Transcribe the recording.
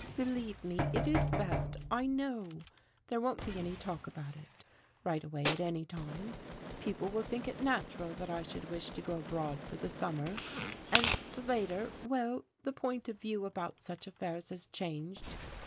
"Believe me, it is best. I know. There won't be any talk about it, right away, at any rate. People will think it natural that I should wish to go abroad for the summer. And later well, the point of view about such affairs has changed.